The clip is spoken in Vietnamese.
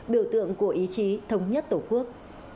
biểu tượng của ý chí thống nhất tổ quốc